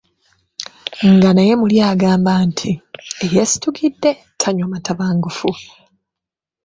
Nga naye muli agamba nti, “Eyeesitukidde tanywa matabangufu”.